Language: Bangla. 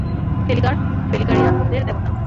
ফেলিগার, ফেলিগারিয়ানদের দেবতা।